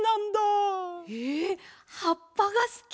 えはっぱがすき！？